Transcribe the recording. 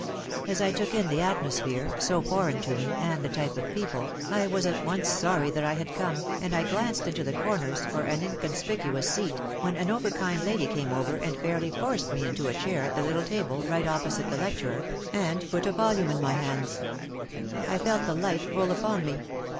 As I took in the atmosphere, so foreign to me, and the type of people, I was at once sorry that I had come and I glanced into the corners for an inconspicuous seat, when an over kind lady came over and fairly forced me into a chair at the little table, right opposite the lecturer, and put a volume into my hands. I felt the light full upon me.